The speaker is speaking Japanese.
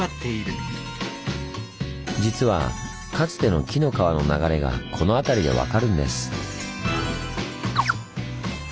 実はかつての紀の川の流れがこの辺りで分かるんです。